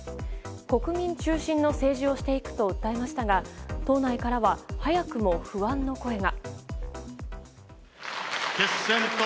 国民中心の政治をしていくと訴えましたが党内からは早くも不安の声が。